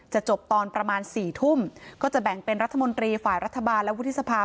จบตอนประมาณ๔ทุ่มก็จะแบ่งเป็นรัฐมนตรีฝ่ายรัฐบาลและวุฒิสภา